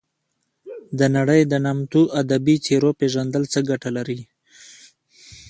د نړۍ د نامتو ادبي څیرو پېژندل څه ګټه لري.